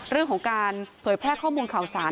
เรื่องของการเผยแพร่ข้อมูลข่าวสาร